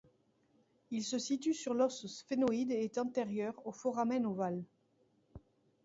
Il se situe sur l'os sphénoïde et est antérieur au foramen ovale.